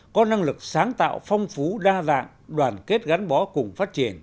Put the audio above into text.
có năng lực sáng tạo phong phú đa dạng đoàn kết gắn bó cùng phát triển